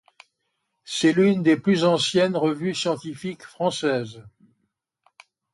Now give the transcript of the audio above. C'est l'une des plus anciennes revues scientifiques françaises.